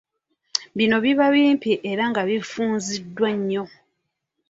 Bino biba bimpi era nga bifunziddwa nnyo.